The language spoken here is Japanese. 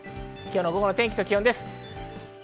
午後の天気と気温です。